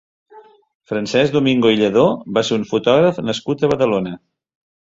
Francesc Domingo i Lladó va ser un fotògraf nascut a Badalona.